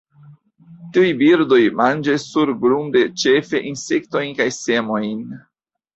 Tiuj birdoj manĝas surgrunde ĉefe insektojn kaj semojn.